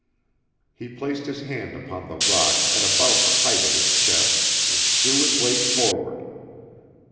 He placed his hand upon the rock at about the height of his chest and threw his weight forward.